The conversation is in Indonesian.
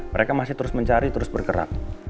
mereka masih terus mencari terus bergerak